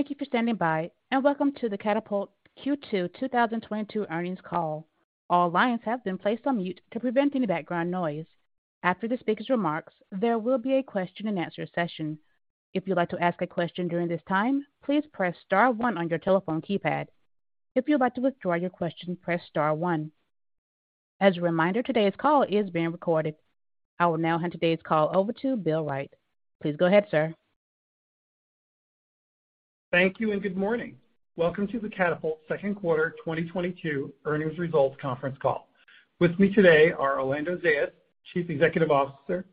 Thank you for standing by, and welcome to the Katapult Q2 2022 earnings call. All lines have been placed on mute to prevent any background noise. After the speaker's remarks, there will be a question-and-answer session. If you'd like to ask a question during this time, please press star one on your telephone keypad. If you'd like to withdraw your question, press star one. As a reminder, today's call is being recorded. I will now hand today's call over to Bill Wright. Please go ahead, sir. Thank you and good morning. Welcome to the Katapult Q2 2022 earnings results conference call. With me today are Orlando Zayas, Chief Executive Officer,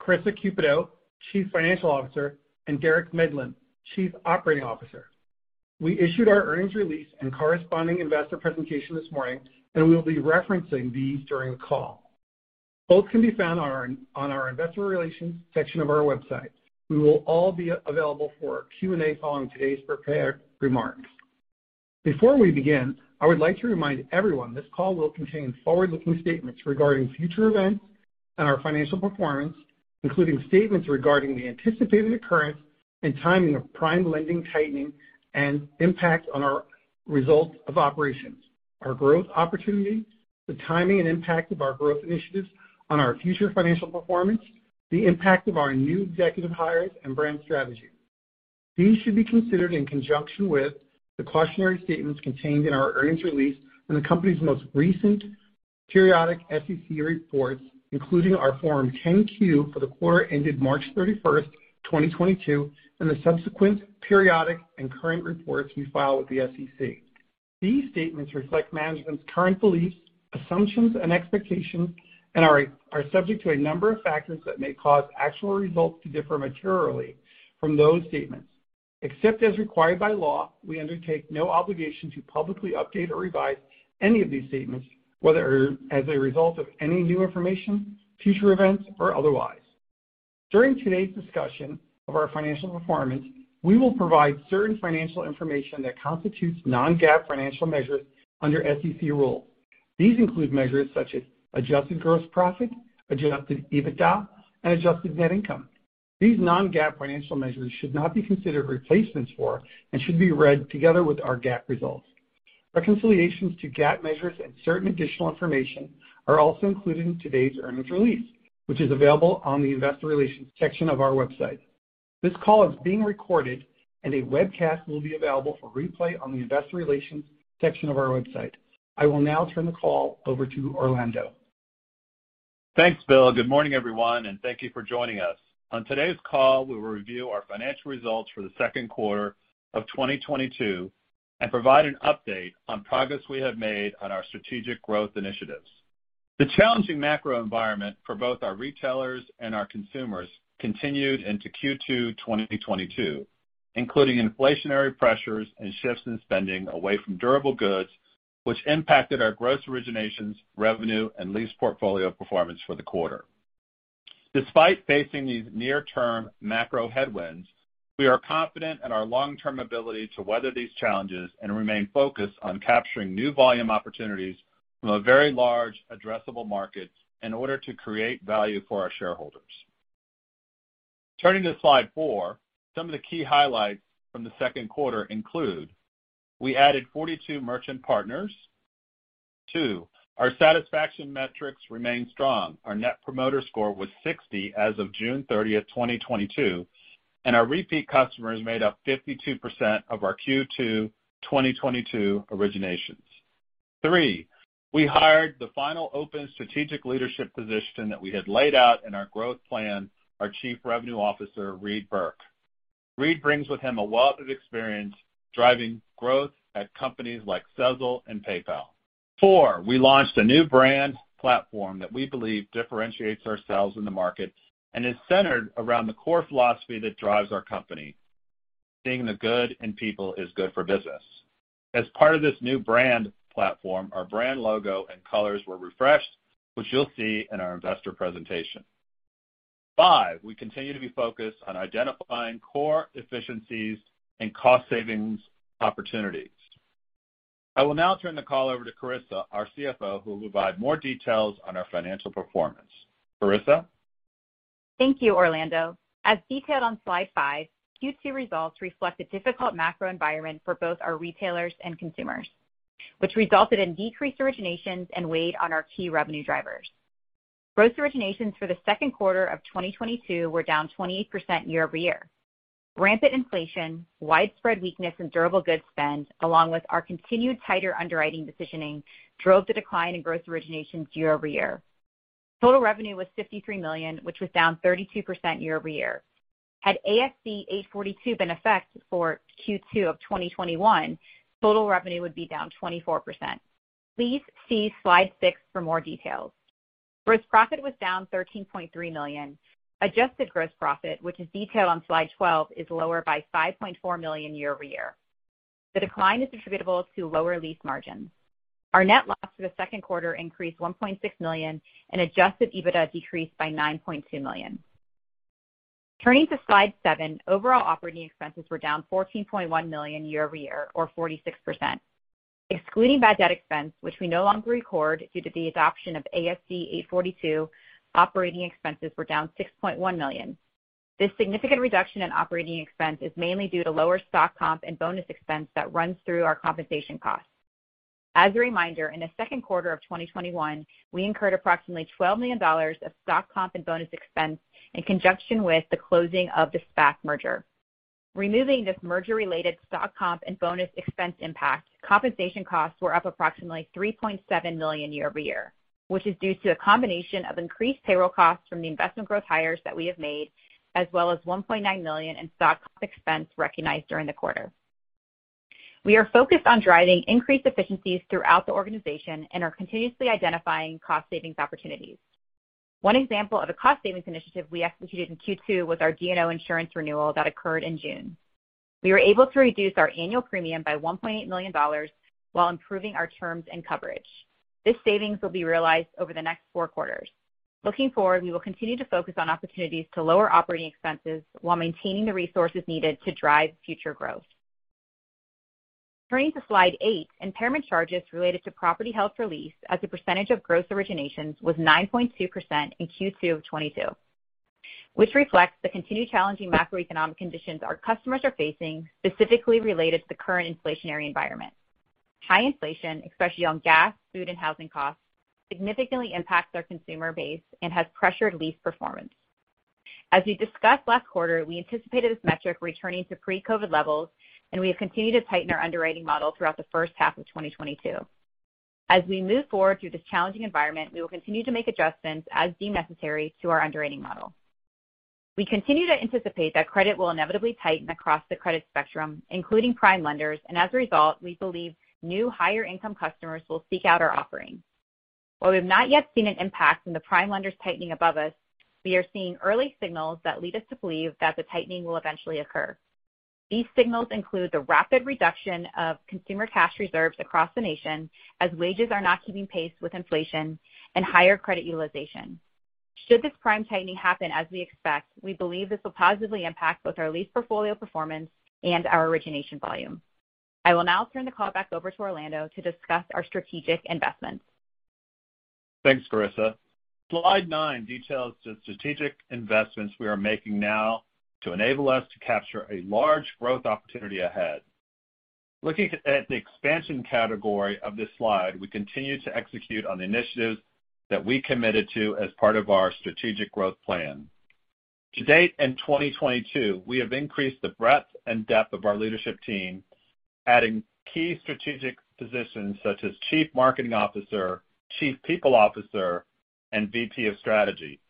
Karissa Cupito, Chief Financial Officer, and Derek Medlin, Chief Operating Officer. We issued our earnings release and corresponding investor presentation this morning, and we will be referencing these during the call. Both can be found on our investor relations section of our website. We will all be available for Q&A following today's prepared remarks. Before we begin, I would like to remind everyone this call will contain forward-looking statements regarding future events and our financial performance, including statements regarding the anticipated occurrence and timing of prime lending tightening and impact on our results of operations, our growth opportunity, the timing and impact of our growth initiatives on our future financial performance, the impact of our new executive hires and brand strategy. These should be considered in conjunction with the cautionary statements contained in our earnings release and the company's most recent periodic SEC reports, including our Form 10-Q for the quarter ended March 31, 2022, and the subsequent periodic and current reports we file with the SEC. These statements reflect management's current beliefs, assumptions, and expectations and are subject to a number of factors that may cause actual results to differ materially from those statements. Except as required by law, we undertake no obligation to publicly update or revise any of these statements, whether as a result of any new information, future events, or otherwise. During today's discussion of our financial performance, we will provide certain financial information that constitutes non-GAAP financial measures under SEC rules. These include measures such as adjusted gross profit, adjusted EBITDA, and adjusted net income. These non-GAAP financial measures should not be considered replacements for and should be read together with our GAAP results. Reconciliations to GAAP measures and certain additional information are also included in today's earnings release, which is available on the investor relations section of our website. This call is being recorded, and a webcast will be available for replay on the investor relations section of our website. I will now turn the call over to Orlando. Thanks, Bill. Good morning, everyone, and thank you for joining us. On today's call, we will review our financial results for the Q2 of 2022 and provide an update on progress we have made on our strategic growth initiatives. The challenging macro environment for both our retailers and our consumers continued into Q2 2022, including inflationary pressures and shifts in spending away from durable goods, which impacted our gross originations, revenue, and lease portfolio performance for the quarter. Despite facing these near-term macro headwinds, we are confident in our long-term ability to weather these challenges and remain focused on capturing new volume opportunities from a very large addressable market in order to create value for our shareholders. Turning to slide 4, some of the key highlights from the Q2 include we added 42 merchant partners, two, our satisfaction metrics remain strong. Our Net Promoter Score was 60 as of June 30, 2022, and our repeat customers made up 52% of our Q2 2022 originations. 3, we hired the final open strategic leadership position that we had laid out in our growth plan, our Chief Revenue Officer, Reid Bork. Reid brings with him a wealth of experience driving growth at companies like Sezzle and PayPal. 4, we launched a new brand platform that we believe differentiates ourselves in the market and is centered around the core philosophy that drives our company, seeing the good in people is good for business. As part of this new brand platform, our brand logo and colors were refreshed, which you'll see in our investor presentation. 5, we continue to be focused on identifying core efficiencies and cost savings opportunities. I will now turn the call over to Karissa, our CFO, who will provide more details on our financial performance. Karissa. Thank you, Orlando. As detailed on slide 5, Q2 results reflect a difficult macro environment for both our retailers and consumers, which resulted in decreased originations and weighed on our key revenue drivers. Gross originations for the Q2 of 2022 were down 28% year-over-year. Rampant inflation, widespread weakness in durable goods spend, along with our continued tighter underwriting positioning, drove the decline in gross originations year-over-year. Total revenue was $53 million, which was down 32% year-over-year. Had ASC 842 been in effect for Q2 of 2021, total revenue would be down 24%. Please see slide 6 for more details. Gross profit was down $13.3 million. Adjusted gross profit, which is detailed on slide 12, is lower by $5.4 million year-over-year. The decline is attributable to lower lease margins. Our net loss for the Q2 increased $1.6 million, and adjusted EBITDA decreased by $9.2 million. Turning to slide 7, overall operating expenses were down $14.1 million year-over-year or 46%. Excluding bad debt expense, which we no longer record due to the adoption of ASC 842, operating expenses were down $6.1 million. This significant reduction in operating expense is mainly due to lower stock comp and bonus expense that runs through our compensation costs. As a reminder, in the Q2 of 2021, we incurred approximately $12 million of stock comp and bonus expense in conjunction with the closing of the SPAC merger. Removing this merger-related stock comp and bonus expense impact, compensation costs were up approximately $3.7 million year-over-year, which is due to a combination of increased payroll costs from the investment growth hires that we have made, as well as $1.9 million in stock expense recognized during the quarter. We are focused on driving increased efficiencies throughout the organization and are continuously identifying cost savings opportunities. One example of a cost savings initiative we executed in Q2 was our D&O insurance renewal that occurred in June. We were able to reduce our annual premium by $1.8 million while improving our terms and coverage. This savings will be realized over the next four quarters. Looking forward, we will continue to focus on opportunities to lower operating expenses while maintaining the resources needed to drive future growth. Turning to slide eight, impairment charges related to property held for lease as a percentage of gross originations was 9.2% in Q2 of 2022, which reflects the continued challenging macroeconomic conditions our customers are facing, specifically related to the current inflationary environment. High inflation, especially on gas, food, and housing costs, significantly impacts our consumer base and has pressured lease performance. As we discussed last quarter, we anticipated this metric returning to pre-COVID levels, and we have continued to tighten our underwriting model throughout the first half of 2022. As we move forward through this challenging environment, we will continue to make adjustments as deemed necessary to our underwriting model. We continue to anticipate that credit will inevitably tighten across the credit spectrum, including prime lenders. As a result, we believe new higher income customers will seek out our offerings. While we have not yet seen an impact in the prime lenders tightening above us, we are seeing early signals that lead us to believe that the tightening will eventually occur. These signals include the rapid reduction of consumer cash reserves across the nation as wages are not keeping pace with inflation and higher credit utilization. Should this prime tightening happen as we expect, we believe this will positively impact both our lease portfolio performance and our origination volume. I will now turn the call back over to Orlando to discuss our strategic investments. Thanks, Karissa. Slide 9 details the strategic investments we are making now to enable us to capture a large growth opportunity ahead. Looking at the expansion category of this slide, we continue to execute on the initiatives that we committed to as part of our strategic growth plan. To date, in 2022, we have increased the breadth and depth of our leadership team, adding key strategic positions such as Chief Marketing Officer, Chief People Officer, and VP of Strategy.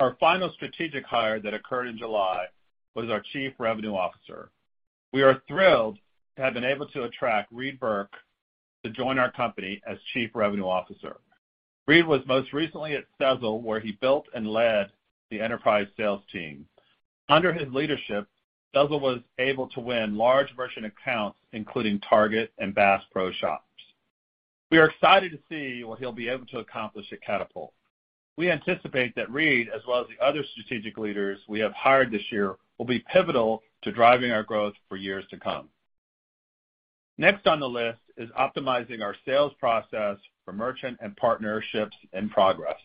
Our final strategic hire that occurred in July was our Chief Revenue Officer. We are thrilled to have been able to attract Reid Bork to join our company as Chief Revenue Officer. Reid was most recently at Sezzle, where he built and led the enterprise sales team. Under his leadership, Sezzle was able to win large merchant accounts, including Target and Bass Pro Shops. We are excited to see what he'll be able to accomplish at Katapult. We anticipate that Reid, as well as the other strategic leaders we have hired this year, will be pivotal to driving our growth for years to come. Next on the list is optimizing our sales process for merchant and partnerships in progress.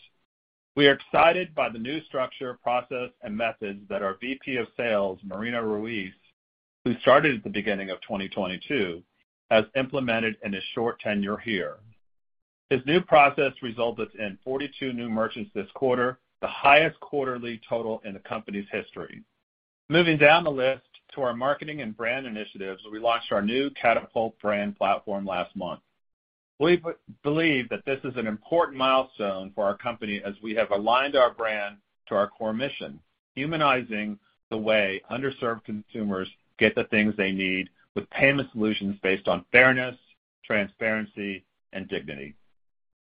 We are excited by the new structure, process, and methods that our VP of Sales, Marino Ruiz, who started at the beginning of 2022, has implemented in his short tenure here. This new process resulted in 42 new merchants this quarter, the highest quarterly total in the company's history. Moving down the list to our marketing and brand initiatives, we launched our new Katapult brand platform last month. We believe that this is an important milestone for our company as we have aligned our brand to our core mission, humanizing the way underserved consumers get the things they need with payment solutions based on fairness, transparency, and dignity.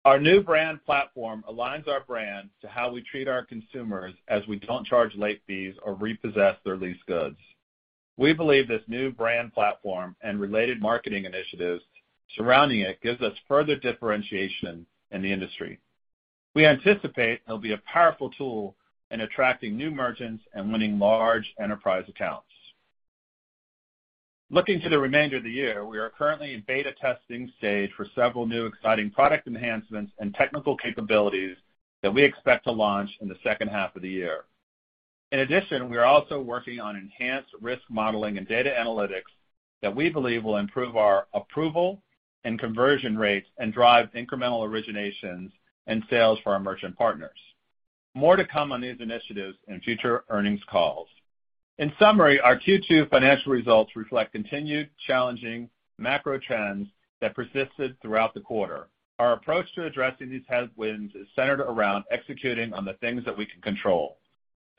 Our new brand platform aligns our brand to how we treat our consumers as we don't charge late fees or repossess their leased goods. We believe this new brand platform and related marketing initiatives surrounding it gives us further differentiation in the industry. We anticipate it'll be a powerful tool in attracting new merchants and winning large enterprise accounts. Looking to the remainder of the year, we are currently in beta testing stage for several new exciting product enhancements and technical capabilities that we expect to launch in the second half of the year. In addition, we are also working on enhanced risk modeling and data analytics that we believe will improve our approval and conversion rates and drive incremental originations and sales for our merchant partners. More to come on these initiatives in future earnings calls. In summary, our Q2 financial results reflect continued challenging macro trends that persisted throughout the quarter. Our approach to addressing these headwinds is centered around executing on the things that we can control.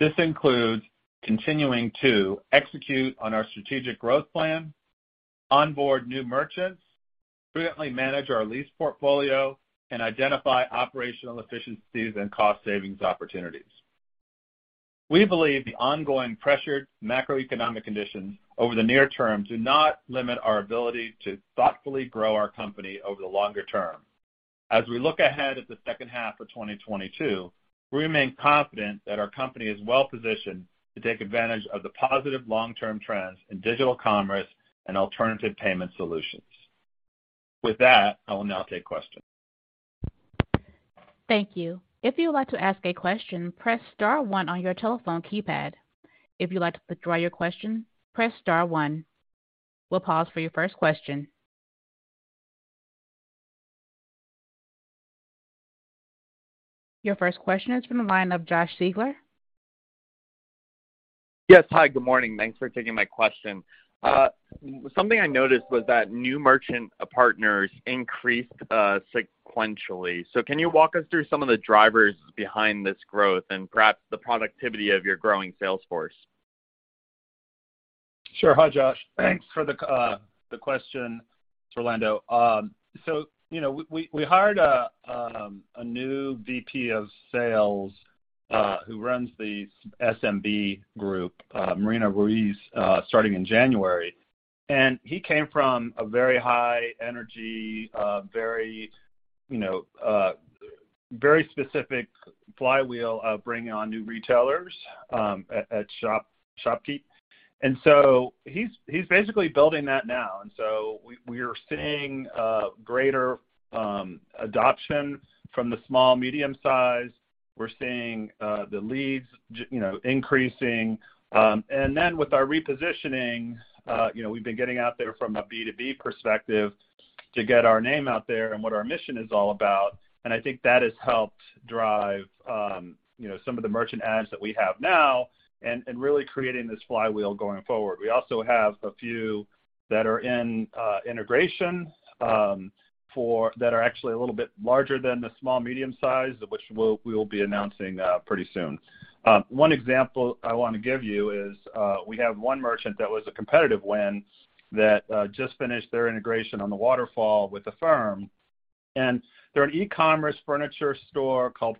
This includes continuing to execute on our strategic growth plan, onboard new merchants, brilliantly manage our lease portfolio, and identify operational efficiencies and cost savings opportunities. We believe the ongoing pressured macroeconomic conditions over the near term do not limit our ability to thoughtfully grow our company over the longer term. As we look ahead at the second half of 2022, we remain confident that our company is well-positioned to take advantage of the positive long-term trends in digital commerce and alternative payment solutions. With that, I will now take questions. Thank you. If you would like to ask a question, press star one on your telephone keypad. If you'd like to withdraw your question, press star one. We'll pause for your first question. Your first question is from the line of Josh Siegler. Yes. Hi, good morning. Thanks for taking my question. Something I noticed was that new merchant partners increased sequentially. Can you walk us through some of the drivers behind this growth and perhaps the productivity of your growing sales force? Sure. Hi, Josh. Thanks for the question. It's Orlando. You know, we hired a new VP of Sales, Marino Ruiz, starting in January. He came from a very high energy, very specific flywheel of bringing on new retailers at ShopKeep. He's basically building that now. We're seeing greater adoption from the small, medium size. We're seeing the leads, you know, increasing. With our repositioning, you know, we've been getting out there from a B2B perspective to get our name out there and what our mission is all about. I think that has helped drive, you know, some of the merchant adds that we have now and really creating this flywheel going forward. We also have a few that are in integration that are actually a little bit larger than the small, medium size of which we will be announcing pretty soon. One example I wanna give you is, we have one merchant that was a competitive win that just finished their integration on the waterfall with Affirm. They're an e-commerce furniture store called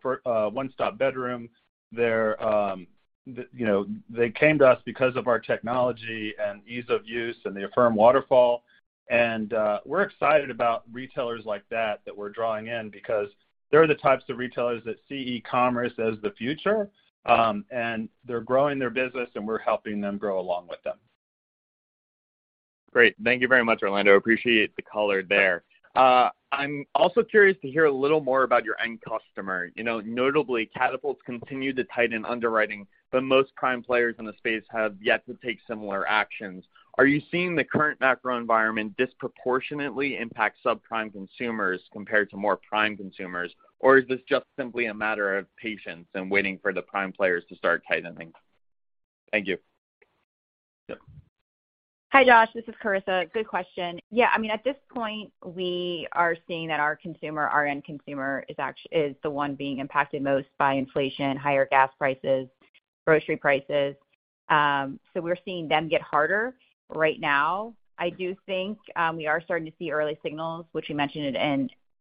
One Stop Bedrooms. They're, you know, they came to us because of our technology and ease of use and the Affirm Waterfall. We're excited about retailers like that we're drawing in because they're the types of retailers that see e-commerce as the future. They're growing their business, and we're helping them grow along with them. Great. Thank you very much, Orlando. Appreciate the color there. I'm also curious to hear a little more about your end customer. You know, notably, Katapult's continued to tighten underwriting, but most prime players in the space have yet to take similar actions. Are you seeing the current macro environment disproportionately impact subprime consumers compared to more prime consumers? Or is this just simply a matter of patience and waiting for the prime players to start tightening? Thank you. Sure. Hi, Josh. This is Karissa. Good question. Yeah, I mean, at this point, we are seeing that our consumer, our end consumer is the one being impacted most by inflation, higher gas prices, grocery prices. We're seeing them get harder right now. I do think we are starting to see early signals, which we mentioned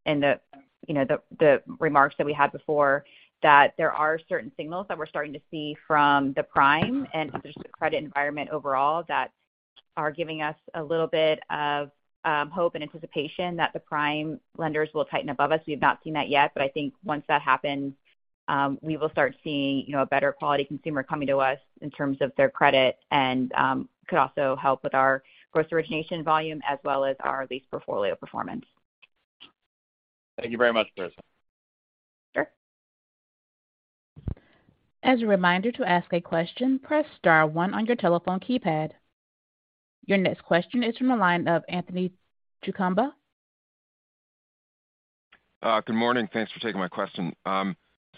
in the, you know, the remarks that we had before, that there are certain signals that we're starting to see from the prime and just the credit environment overall that are giving us a little bit of hope and anticipation that the prime lenders will tighten above us. We have not seen that yet, but I think once that happens, we will start seeing, you know, a better quality consumer coming to us in terms of their credit and, could also help with our gross origination volume as well as our lease portfolio performance. Thank you very much, Karissa. Sure. As a reminder, to ask a question, press star one on your telephone keypad. Your next question is from the line of Anthony Chukumba. Good morning. Thanks for taking my question.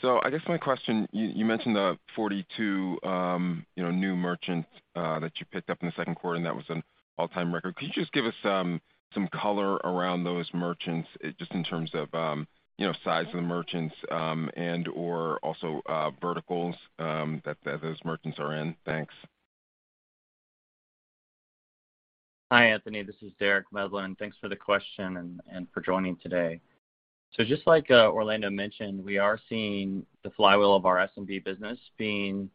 I guess my question, you mentioned the 42, you know, new merchants that you picked up in the Q2, and that was an all-time record. Could you just give us some color around those merchants just in terms of, you know, size of the merchants, and/or also, verticals that those merchants are in? Thanks. Hi, Anthony. This is Derek Medlin. Thanks for the question and for joining today. Just like Orlando mentioned, we are seeing the flywheel of our SMB business being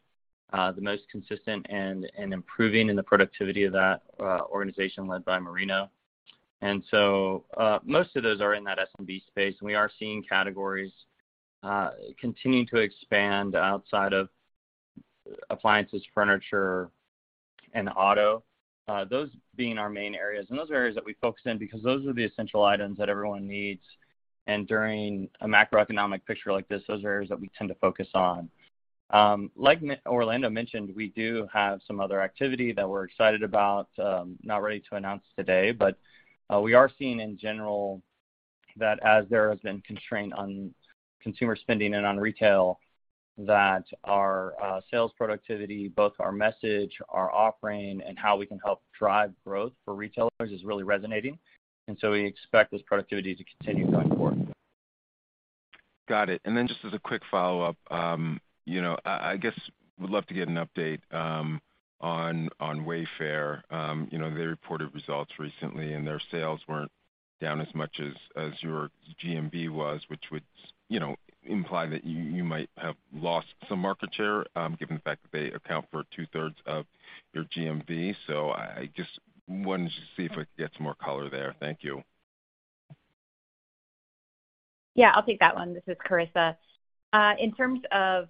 the most consistent and improving in the productivity of that organization led by Marino. Most of those are in that SMB space, and we are seeing categories continuing to expand outside of appliances, furniture, and auto, those being our main areas. Those are areas that we focus in because those are the essential items that everyone needs. During a macroeconomic picture like this, those are areas that we tend to focus on. Like Orlando mentioned, we do have some other activity that we're excited about, not ready to announce today. We are seeing in general that as there has been constraint on consumer spending and on retail, that our sales productivity, both our message, our offering, and how we can help drive growth for retailers is really resonating. We expect this productivity to continue going forward. Got it. Then just as a quick follow-up, you know, I guess would love to get an update on Wayfair. You know, they reported results recently, and their sales weren't down as much as your GMV was, which would, you know, imply that you might have lost some market share, given the fact that they account for 2/3 of your GMV. I just wanted to see if I could get some more color there. Thank you. Yeah, I'll take that one. This is Karissa. In terms of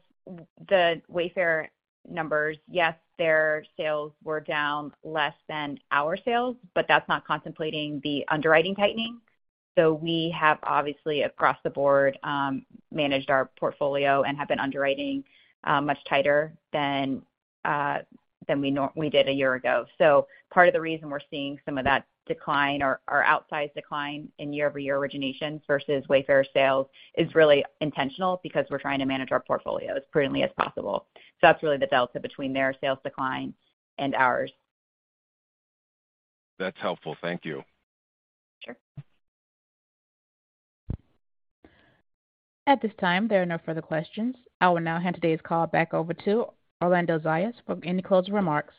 the Wayfair numbers, yes, their sales were down less than our sales, but that's not contemplating the underwriting tightening. We have obviously across the board managed our portfolio and have been underwriting much tighter than we did a year ago. Part of the reason we're seeing some of that decline or outsized decline in year-over-year origination versus Wayfair sales is really intentional because we're trying to manage our portfolios prudently as possible. That's really the delta between their sales decline and ours. That's helpful. Thank you. Sure. At this time, there are no further questions. I will now hand today's call back over to Orlando Zayas for any closing remarks.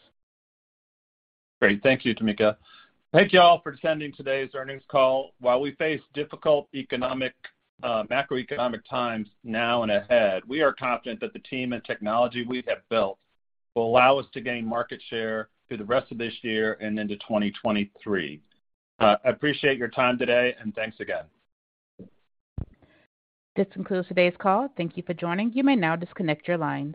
Great. Thank you, Tamika. Thank you all for attending today's earnings call. While we face difficult macroeconomic times now and ahead, we are confident that the team and technology we have built will allow us to gain market share through the rest of this year and into 2023. I appreciate your time today, and thanks again. This concludes today's call. Thank you for joining. You may now disconnect your lines.